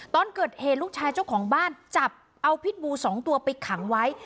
ตอนเกิดเหตุลูกชายเจ้าของบ้านจับเอาพิษบู๒ตัวไปขังไว้